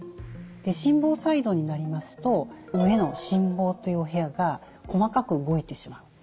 心房細動になりますと上の心房というお部屋が細かく動いてしまう。